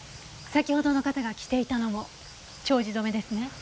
先ほどの方が着ていたのも丁字染めですね。